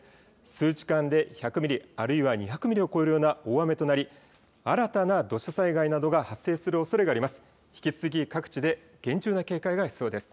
数時間で１００ミリ、あるいは２００ミリを超えるような大雨となり、新たな土砂災害などが発生するおそれがあります。